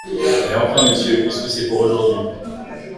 Mais enfin, monsieur, puisque c’est pour aujourd’hui.